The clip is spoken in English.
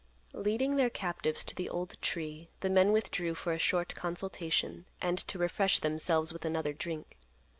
Leading their captives to the old tree, the men withdrew for a short consultation, and to refresh themselves with another drink.